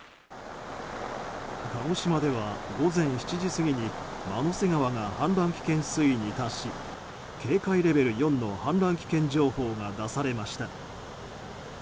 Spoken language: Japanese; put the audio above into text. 鹿児島では午前７時過ぎに万之瀬川が氾濫危険水位に達し警戒レベル４の氾濫危険情報が出されました。